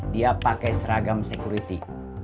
dia pakai seragam security